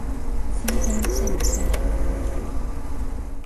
師兄識唔識日文？